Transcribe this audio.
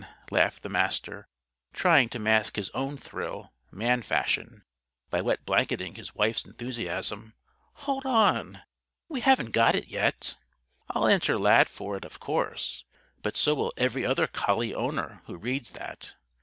laughed the Master, trying to mask his own thrill, man fashion, by wetblanketing his wife's enthusiasm. "Hold on! We haven't got it, yet. I'll enter Lad for it, of course. But so will every other collie owner who reads that.